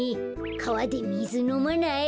かわでみずのまない？